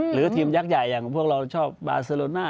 หรือทีมยักษ์ใหญ่อย่างพวกเราชอบบาเซโลน่า